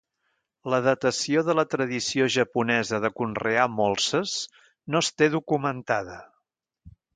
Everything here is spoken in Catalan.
La datació de la tradició japonesa de conrear molses no es té documentada.